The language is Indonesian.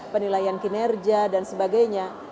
penilaian kinerja dan sebagainya